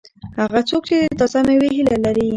هغه څوک چې د تازه مېوې هیله لري.